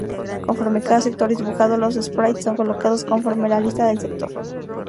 Conforme cada sector es dibujado los sprites son colocados conforme la lista del sector.